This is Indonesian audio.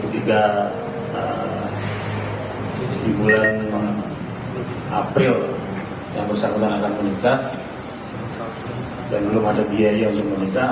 di bulan april yang bersangkutan akan meningkat dan belum ada biaya untuk meningkat